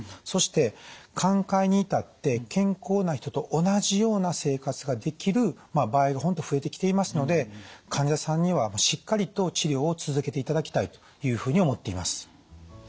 そして寛解に至って健康な人と同じような生活ができる場合が本当増えてきていますので患者さんにはしっかりと治療を続けていただきたいというふうに思っています。